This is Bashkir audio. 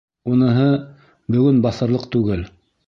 Уныһы... бөгөн баҫырлыҡ түгел.